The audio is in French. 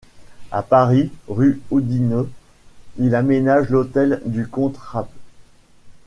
À Paris, rue Oudinot, il aménage l'hôtel du comte Rapp.